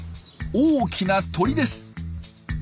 大きな鳥です。